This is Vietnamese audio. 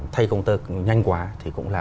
thay công tơ nhanh quá thì cũng là